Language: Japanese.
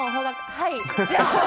はい。